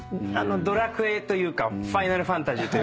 『ドラクエ』というか『ファイナルファンタジー』というかＲＰＧ。